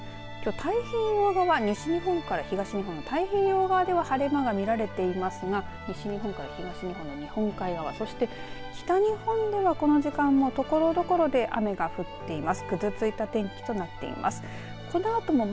太平洋側西日本から東日本太平洋側では晴れ間が見られていますが西日本から東日本、日本海側そして北日本ではこの時間もところどころで雨が降っています。